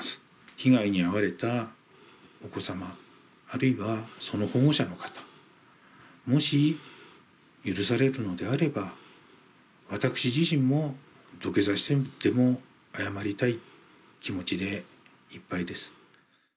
被害に遭われたお子様、あるいはその保護者の方、もし許されるのであれば、私自身も土下座してでも謝りたい気持ちでいっぱいです。